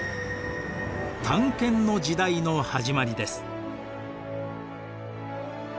探検の時代の始まりです。